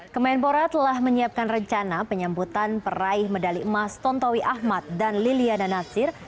kemenpora telah menyiapkan rencana penyambutan peraih medali emas tontowi ahmad dan liliana nasir